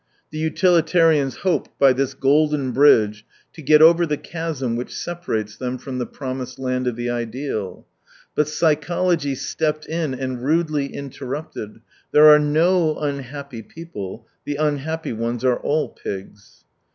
The utilitarians hoped by this golden bridge to get over the chasm which separates them from' the promised land of the ideal. But psychology stepped in and rudely interrupted : There are no unhappy people, the unhappy ones are all pigs.